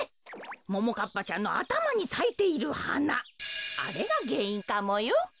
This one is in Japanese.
ももかっぱちゃんのあたまにさいているはなあれがげんいんかもよ。